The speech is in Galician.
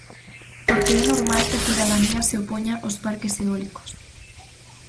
Porque é normal que a cidadanía se opoña aos parques eólicos.